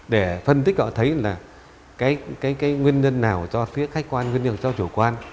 để phân tích họ thấy là cái nguyên nhân nào cho phía khách quan nguyên nhân cho chủ quan